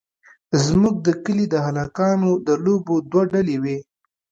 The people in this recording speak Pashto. زموږ د کلي د هلکانو د لوبو دوه ډلې وې.